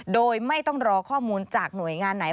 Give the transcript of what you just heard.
โดยไม่ต้องรอข้อมูลจากหน่วยงานไหน